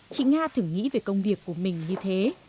chị nga thử nghĩ về công việc của mình như thế